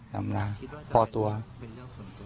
น่าจะเป็นเรื่องส่วนตัวครับ